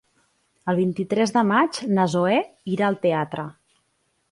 El vint-i-tres de maig na Zoè irà al teatre.